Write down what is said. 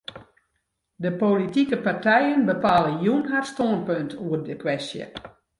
De politike partijen bepale jûn har stânpunt oer de kwestje.